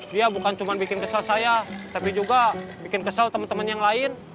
dia bukan cuma bikin kesel saya tapi juga bikin kesel teman teman yang lain